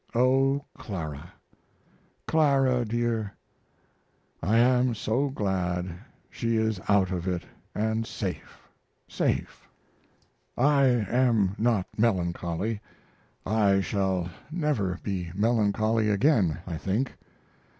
O, Clara, Clara dear, I am so glad she is out of it & safe safe! I am not melancholy; I shall never be melancholy again, I think.